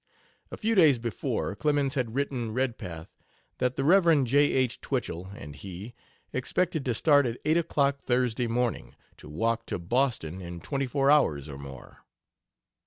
A few days before, Clemens had written Redpath that the Rev. J. H. Twichell and he expected to start at eight o'clock Thursday morning "to walk to Boston in twenty four hours or more.